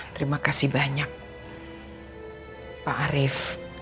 terima kasih banyak pak arief